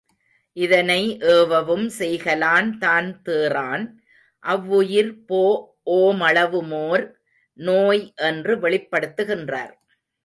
இதனை, ஏவவும் செய்கலான் தான்தேறான் அவ்வுயிர் போஓ மளவுமோர் நோய் என்று வெளிப்படுத்துகின்றார்.